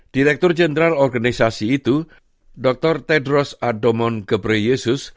direktur jenderal organisasi itu dr tedros adomon gebreyesus